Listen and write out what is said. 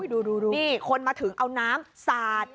ดูนี่คนมาถึงเอาน้ำสาด